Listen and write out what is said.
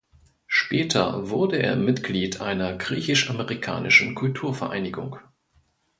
Später wurde er Mitglied einer griechisch-amerikanischen Kulturvereinigung.